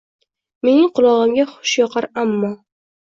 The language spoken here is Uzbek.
Mening qulog’imga xush yoqar ammo.